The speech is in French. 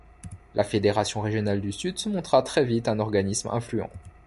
La fédération régionale du Sud se montra très vite un organisme influent.